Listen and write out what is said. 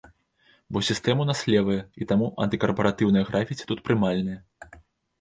Бо сістэма ў нас левая, і таму антыкарпаратыўныя графіці тут прымальныя.